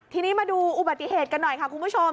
ทีนี้มาดูอุบัติเหตุกันหน่อยค่ะคุณผู้ชม